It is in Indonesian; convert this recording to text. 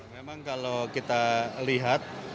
memang kalau kita lihat